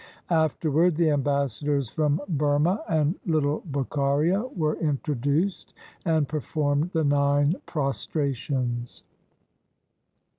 Afterward the ambassadors from Burmah and little Bukharia were introduced and performed the nine pros trations.